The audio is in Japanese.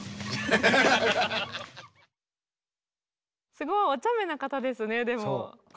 すごいおちゃめな方ですねでも。